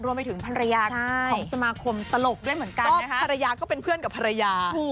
รวมไปถึงภรรยาของสมาคมตลกด้วยเหมือนกันก็ภรรยาก็เป็นเพื่อนกับภรรยา